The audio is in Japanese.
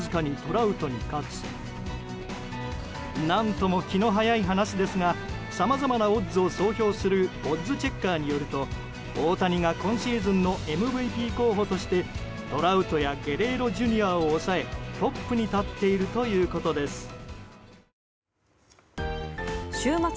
何とも気の早い話ですがさまざまなオッズを総評するオッズチェッカーによると大谷が今シーズンのＭＶＰ候補としてトラウトやゲレーロＪｒ．を抑えトップに立っているということです。